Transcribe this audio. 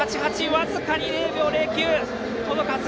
僅かに０秒０９届かず。